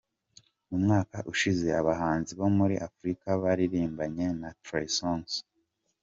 Mu mwaka ushize abahanzi bo muri Afurika baririmbanye na Trey Songz.